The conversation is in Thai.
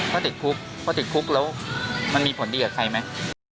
ก็ติดคุกเพราะติดคุกแล้วมันมีผลดีกับใครไหม